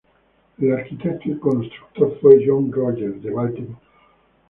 El arquitecto y constructor fue John Rogers, de Baltimore.